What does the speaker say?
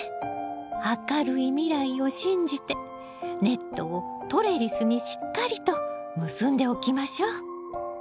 明るい未来を信じてネットをトレリスにしっかりと結んでおきましょう。